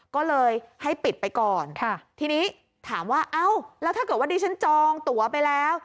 ก็เลยให้ปิดไปก่อนทีนี้ถามว่าเอ้าแล้วถ้าเกิดว่าดิฉันจองตัวไปแล้ว